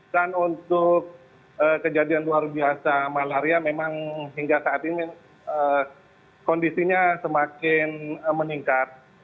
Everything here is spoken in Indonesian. dan untuk kejadian luar biasa malaria memang hingga saat ini kondisinya semakin meningkat